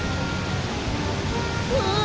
うわ！